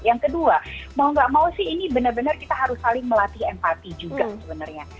yang kedua mau nggak mau sih ini benar benar kita harus saling melatih empati juga sebenarnya